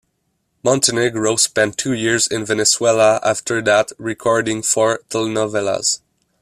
Montenegro spent two years in Venezuela after that, recording four telenovelas.